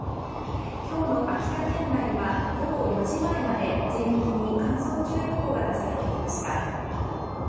今日の秋田県内は午後４時前まで全域に乾燥注意報が出されていました。